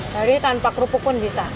jadi tanpa kerupuk pun bisa